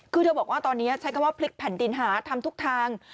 คือเธอบอกว่าตอนนี้ใช้คำว่าพลิกแผ่นดินหาทำทุกทาง